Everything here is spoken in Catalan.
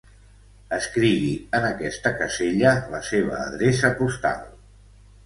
Escrigui en aquesta casella la seva adreça postal.